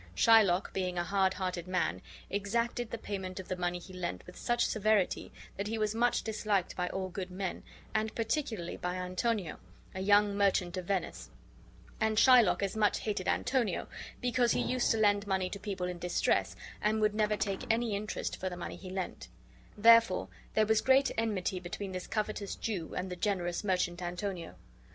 Shylock, being a hard hearted man, exacted the payment of the money he lent with such severity that he was much disliked by all good men, and particularly by Antonio, a young merchant of Venice; and Shylock as much hated Antonio, because he used to lend money to people in distress, and would never take any interest for the money he lent; therefore there was great enmity between this covetous Jew and the generous merchant Antonio.